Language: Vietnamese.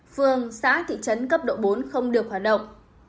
phường xã thị trấn cấp độ bốn không được hoạt động